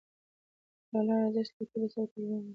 د ډالر ارزښت له تیلو سره تړلی دی.